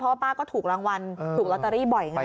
ว่าป้าก็ถูกรางวัลถูกลอตเตอรี่บ่อยไง